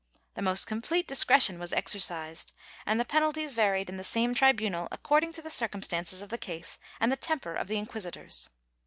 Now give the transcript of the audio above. The most complete discretion was exercised and the penalties varied in the same tribunal according to the circumstances of the case and the temper of the inquisitors.